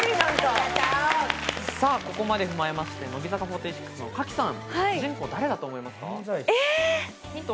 ここまで踏まえまして、乃木坂４６の賀喜さん、主人公、誰だと思いますか？